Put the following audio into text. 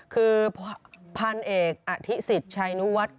คือพันเอกอธิษิตชัยนุวัฒน์